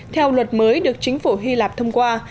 theo luật mới được chính phủ hy lạp thông qua